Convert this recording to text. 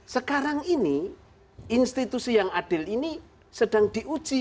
sekarang ini institusi yang adil ini sedang diuji